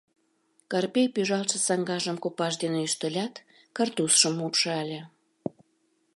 Карпей пӱжалтше саҥгажым копаж дене ӱштылят, картузшым упшале.